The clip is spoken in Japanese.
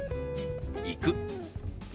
「行く」。